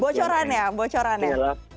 bocoran ya bocoran ya